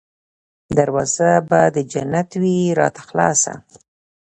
دروازه به د جنت وي راته خلاصه